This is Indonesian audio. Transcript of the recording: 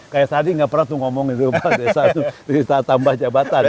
kayak tadi enggak pernah tuh ngomongin tentang masa tambah jabatan